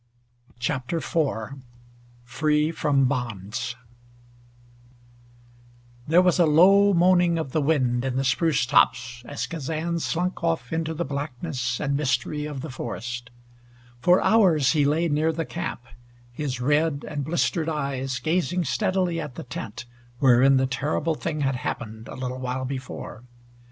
CHAPTER IV FREE FROM BONDS There was a low moaning of the wind in the spruce tops as Kazan slunk off into the blackness and mystery of the forest. For hours he lay near the camp, his red and blistered eyes gazing steadily at the tent wherein the terrible thing had happened a little while before.